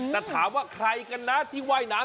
แต่ถามว่าใครกันนะที่ว่ายน้ำ